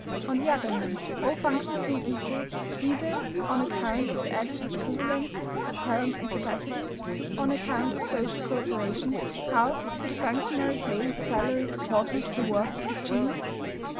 On the other hand, all functions being equal, either on account of the actual equivalence of talents and capacities, or on account of social co operation, how could a functionary claim a salary proportional to the worth of his genius?